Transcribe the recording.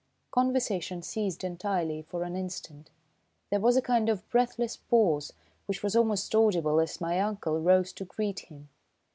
Conversation ceased entirely for an instant. There was a kind of breathless pause, which was almost audible as my uncle rose to greet him.